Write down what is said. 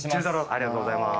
ありがとうございます。